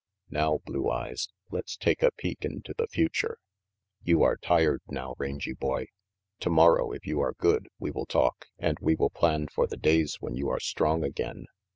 Now, Blue Eyes, let's take a peek into the future." "You are tired now, Rangy Boy. Tomorrow, if you are good, we will talk and we will plan for the days when you are strong again."